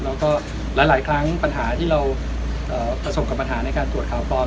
แล้วก็หลายครั้งปัญหาที่เราประสบกับปัญหาในการตรวจข่าวปลอม